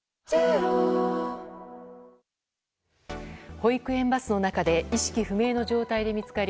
保育園バスの中で意識不明の状態で見つかり